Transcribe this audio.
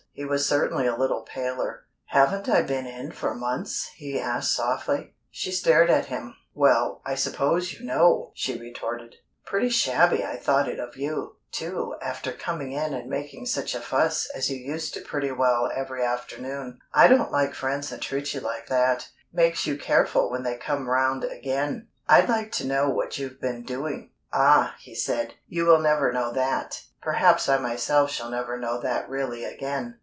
He was certainly a little paler. "Haven't I been in for months?" he asked softly. She stared at him. "Well, I suppose you know!" she retorted. "Pretty shabby I thought it of you, too, after coming in and making such a fuss as you used to pretty well every afternoon. I don't like friends that treat you like that. Makes you careful when they come round again. I'd like to know what you've been doing?" "Ah!" he said, "you will never know that. Perhaps I myself shall never know that really again.